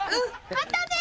またね！